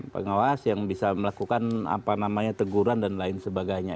pengawas yang bisa melakukan apa namanya teguran dan lain sebagainya